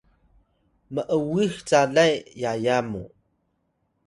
m’wix calay yaya mu